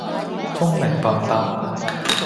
聰明笨伯